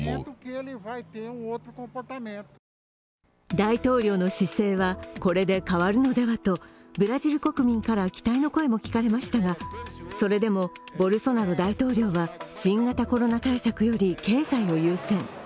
大統領の姿勢はこれで変わるのではとブラジル国民から期待の声も聞かれましたが、それでもボルソナロ大統領は新型コロナ対策より経済を優先。